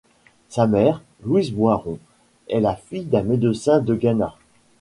Sa mère, Louise Boiron, est la fille d'un médecin de Gannat.